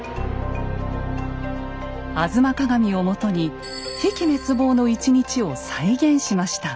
「吾妻鏡」をもとに「比企滅亡の１日」を再現しました。